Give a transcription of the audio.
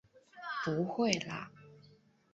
不会啦！